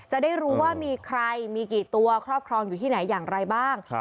จะได้รู้ว่ามีใครมีกี่ตัวครอบครองอยู่ที่ไหนอย่างไรบ้าง